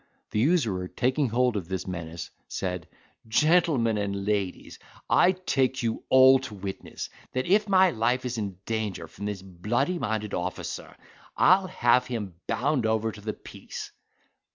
The usurer, taking hold of this menace, said, "Gentlemen and ladies, I take you all to witness, that my life is in danger from this bloody minded officer; I'll have him bound over to the peace."